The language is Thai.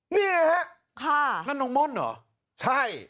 นี่ไงฮะค่ะนั่นน้องม่อนเหรอใช่